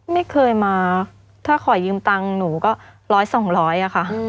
ไม่เคยมาถ้าขอยืมตังหนูก็๑๐๐๒๐๐ค่ะ